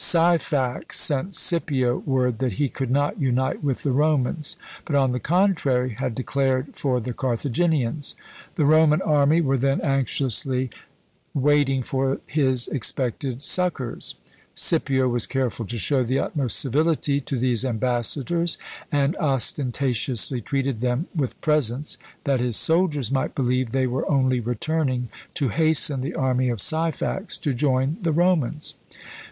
Syphax sent Scipio word that he could not unite with the Romans, but, on the contrary, had declared for the Carthaginians. The Roman army were then anxiously waiting for his expected succours: Scipio was careful to show the utmost civility to these ambassadors, and ostentatiously treated them with presents, that his soldiers might believe they were only returning to hasten the army of Syphax to join the Romans.